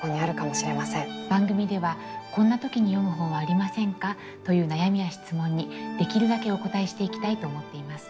番組では「こんな時に読む本はありませんか？」という悩みや質問にできるだけお応えしていきたいと思っています。